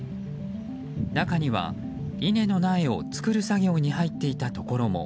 中には稲の苗を作る作業に入っていたところも。